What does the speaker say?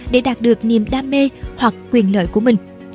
để đạt được niềm đam mê hoặc quyền lợi của mình